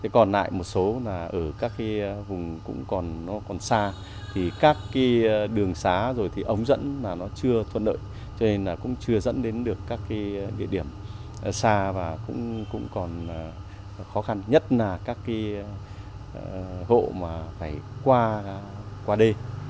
còn lại một số ở các vùng còn xa các đường xá rồi thì ống dẫn chưa thuận đợi cho nên cũng chưa dẫn đến được các địa điểm xa và cũng còn khó khăn nhất là các hộ mà phải qua đê